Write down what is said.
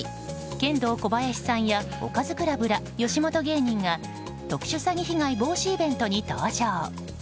ケンドーコバヤシさんやおかずクラブさんら吉本芸人が特殊詐欺被害防止イベントに登場。